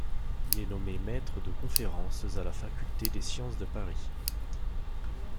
Il est nommé maître de conférences à la faculté des sciences de Paris.